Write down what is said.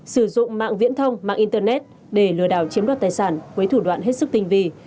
sử dụng mạng viễn thông mạng internet để lừa đảo chiếm đoạt tài sản với thủ đoạn hết sức tinh vi